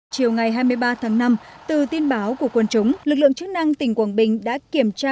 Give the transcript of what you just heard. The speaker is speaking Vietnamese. chiều ngày hai mươi ba tháng năm từ tin báo của quân chúng lực lượng chức năng tỉnh quảng bình đã kiểm tra